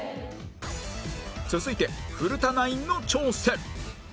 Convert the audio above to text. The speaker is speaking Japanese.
続いて古田ナインの挑戦